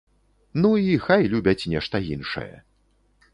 Ну, і хай любяць нешта іншае.